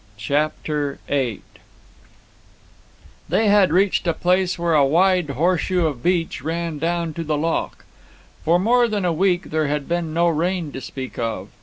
CHAPTER VIII They had reached a place where a wide horseshoe of beach ran down to the loch. For more than a week there had been no rain to speak of.